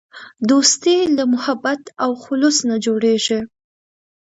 دوستي له محبت او خلوص نه جوړیږي.